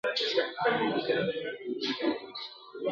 د خیالي حوري په خیال کي زنګېدلای ..